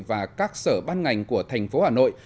và các sở ban ngành của thành phố hà nội